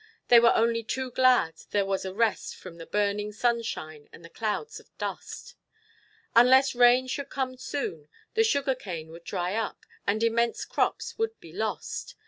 They were only too glad there was a rest from the burning sunshine and the clouds of dust. Unless rain should come soon, the sugar cane would dry up and immense crops would be lost.